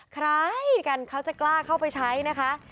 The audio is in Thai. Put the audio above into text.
ใครกันเขาจะกล้าเข้าไปใช้นะคะ